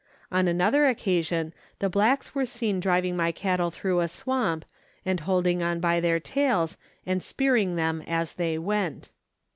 On another occasion the blacks were seen driving my cattle through a swamp, and holding on by their tails, and spearing them as they went.